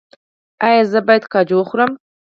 ایا زه باید کاجو وخورم؟